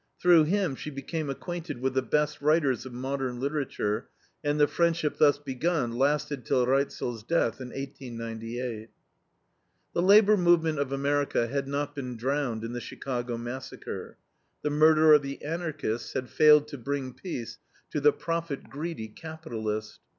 Through him she became acquainted with the best writers of modern literature, and the friendship thus begun lasted till Reitzel's death, in 1898. The labor movement of America had not been drowned in the Chicago massacre; the murder of the Anarchists had failed to bring peace to the profit greedy capitalist.